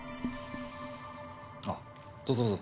あっどうぞどうぞ。